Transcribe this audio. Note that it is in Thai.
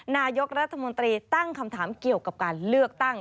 นายกรัฐมนตรีตั้งคำถามเกี่ยวกับการเลือกตั้ง